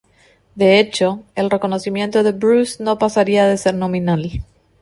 De hecho, el reconocimiento de Bruce no pasaría de ser nominal.